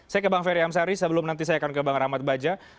saya ke bang ferry amsari sebelum nanti saya akan ke bang rahmat baja